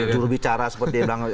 juru bicara seperti dia bilang